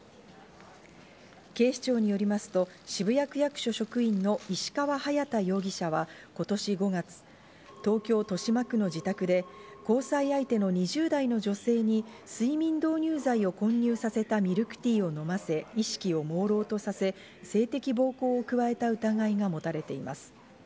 警視庁によりますと渋谷区役所職員の石川隼大容疑者は今年５月、東京・豊島区の自宅で交際相手の２０代の女性に睡眠導入剤を混入させたミルクティーを飲ませ、意識をもうろうとさせ、性的暴行を加えた疑いが持たれています。